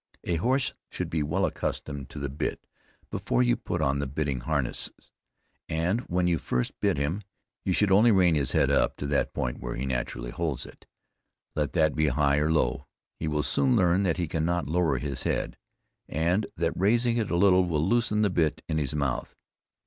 A horse should be well accustomed to the bit before you put on the bitting harness, and when you first bit him you should only rein his head up to that point where he naturally holds it, let that be high or low; he will soon learn that he cannot lower his head, and that raising it a little will loosen the bit in his mouth.